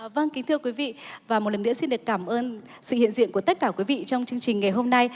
vâng kính thưa quý vị và một lần nữa xin được cảm ơn sự hiện diện của tất cả quý vị trong chương trình ngày hôm nay